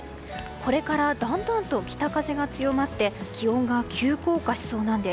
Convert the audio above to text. これからだんだんと北風が強まって気温が急降下しそうなんです。